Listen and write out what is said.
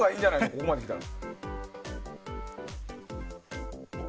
ここまで来たら。